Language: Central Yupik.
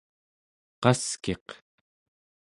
qaskiq